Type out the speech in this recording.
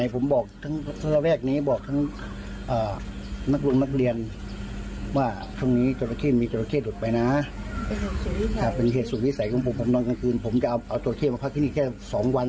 ผมจะเอาตัวเข้มาพักขึ้นที่นี่แค่๒วัน